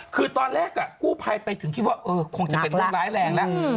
คือตอนแรกกู้ภัยไปถึงคิดว่าคงจะเป็นเรื่องร้ายแรงแล้ว